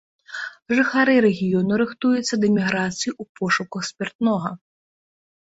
Жыхары рэгіёну рыхтуюцца да міграцыі ў пошуках спіртнога.